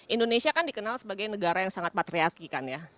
indonesia kan dikenal sebagai negara yang sangat patriarki kan ya